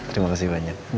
terima kasih banyak